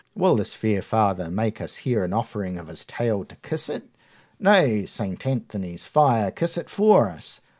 Will this fair father make us here an offering of his tail to kiss it? Nay, St. Anthony's fire kiss it for us!